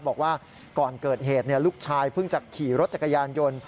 บอกว่าก่อนเกิดเหตุลูกชายเพิ่งจะขี่รถจักรยานยนต์